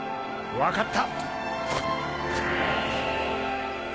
分かった！